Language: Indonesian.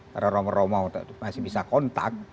karena romo romo masih bisa kontak